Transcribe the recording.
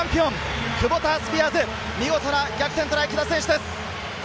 リーグワンチャンピオンクのボタスピアーズ、見事な逆転トライ、木田選手です。